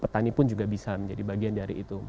petani pun juga bisa menjadi bagian dari itu